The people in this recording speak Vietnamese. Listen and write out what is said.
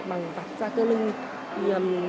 bằng vặt ra cơ lưng